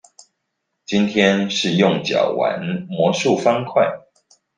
今天是用腳玩魔術方塊